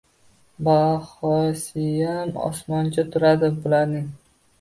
Bahosiyam osmoncha turadi bularning